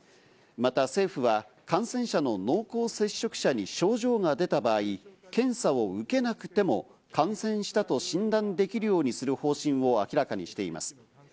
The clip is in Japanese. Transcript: また政府は、感染者の濃厚接触者に症状が出た場合、検査を受けなくても感染したと診断できるようにする方針を明らかにしています。